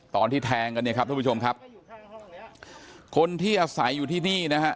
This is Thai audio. ตอนที่แทงกันเนี่ยครับท่านผู้ชมครับคนที่อาศัยอยู่ที่นี่นะฮะ